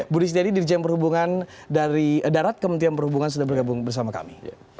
budi sidari dirjam perhubungan dari darat kementerian perhubungan sudah bergabung bersama kami